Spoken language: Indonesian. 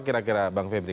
kira kira bang febri